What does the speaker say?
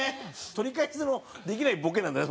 取り返しのできないボケなんだね